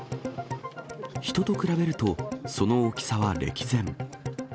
人と比べると、その大きさは歴然。